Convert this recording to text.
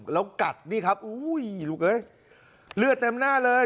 แล้วกัดนี่ครับอุ้ยลูกเอ้ยเลือดเต็มหน้าเลย